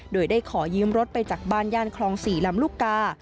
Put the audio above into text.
โดยได้ขอยืมรถไปจากบ้านย่านคลอง๔ลำลูกกา